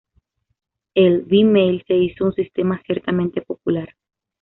El "V-mail" se hizo un sistema ciertamente popular.